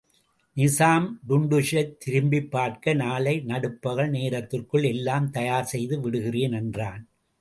நிசாம் டுன்டுஷைத் திரும்பிப் பார்க்க, நாளை நடுப்பகல் நேரத்துக்குள் எல்லாம் தயார் செய்து விடுகிறேன் என்றான்.